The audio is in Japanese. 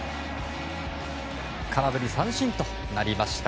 空振り三振となりました。